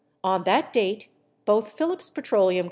On that date, both Phillips Petroleum Co.